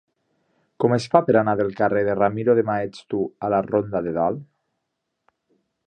Com es fa per anar del carrer de Ramiro de Maeztu a la ronda de Dalt?